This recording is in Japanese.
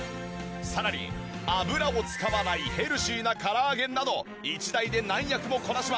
さらに油を使わないヘルシーなから揚げなど一台で何役もこなします！